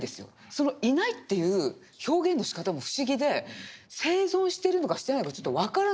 そのいないっていう表現のしかたも不思議で生存してるのかしてないのかちょっと分からない。